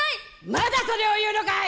まだそれを言うのかい